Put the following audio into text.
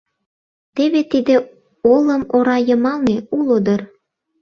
Теве тиде олым ора йымалне уло дыр?